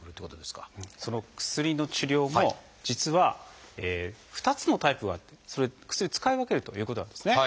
その薬の治療も実は２つのタイプがあって薬を使い分けるということなんですね。